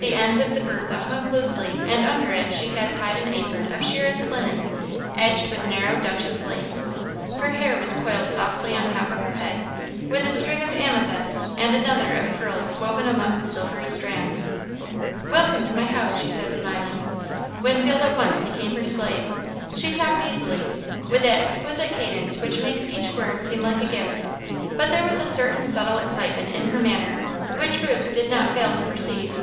The ends of the bertha hung loosely and under it she had tied an apron of sheerest linen, edged with narrow Duchesse lace. Her hair was coiled softly on top of her head, with a string of amethysts and another of pearls woven among the silvery strands. "Welcome to my house," she said, smiling, Winfield at once became her slave. She talked easily, with that exquisite cadence which makes each word seem like a gift, but there was a certain subtle excitement in her manner, which Ruth did not fail to perceive.